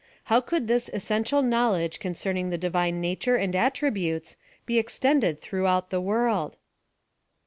How could this essential knowledge coticerning the Divine Nature and attributes, be extended throughout the world